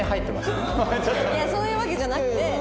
いやそういうわけじゃなくて。